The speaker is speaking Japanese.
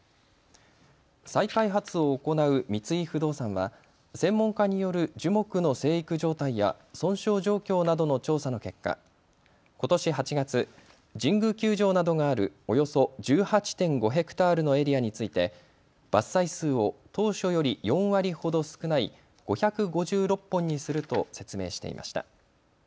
再開発を行う三井不動産は専門家による樹木の生育状態や損傷状況などの調査の結果、ことし８月、神宮球場などがあるおよそ１８．５ヘクタールのエリアについて伐採数を当初より４割ほど少ない５５６本にすると説明していました。